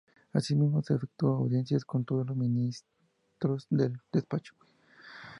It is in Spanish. Así mismo, se efectuó audiencias con todos los ministros del despacho.